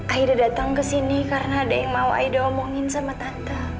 akhirnya datang ke sini karena ada yang mau aida omongin sama tante